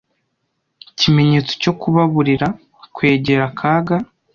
kimenyetso cyo kubaburira kwegera akaga.